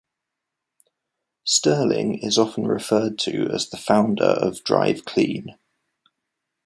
Sterling is often referred to as the founder of Drive Clean.